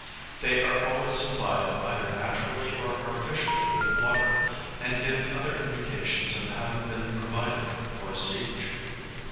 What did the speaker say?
They are always supplied either naturally or artificially with water, and give other indications of having been provided for a siege.